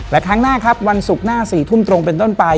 และครั้งหน้าครับวันศุกร์หน้า๔ทุ่มตรงเป็นต้นไป